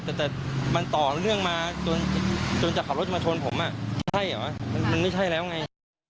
แต่มันต่อเนื่องมาจนจะขับรถจะมาชนผมใช่เหรอมันไม่ใช่แล้วไง